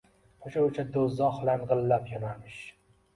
O‘sha-o‘sha do‘zax lang‘illab yonarmish.